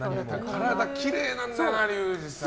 体きれいなんだよな、龍二さん。